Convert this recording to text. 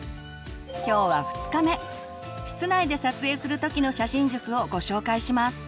今日は２日目室内で撮影する時の写真術をご紹介します。